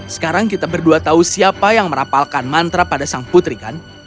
sekarang kita berdua tahu siapa yang merapalkan mantra pada sang putri kan